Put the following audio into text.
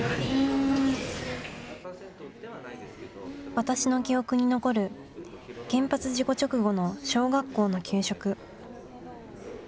私の記憶に残る、原発事故直後の小学校の給食。